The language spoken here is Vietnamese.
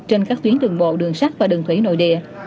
trên các tuyến đường bộ đường sắt và đường thủy nội địa